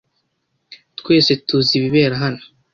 Twese tuzi ibibera hano.